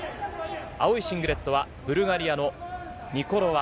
青いシングレットは、ブルガリアのニコロワ。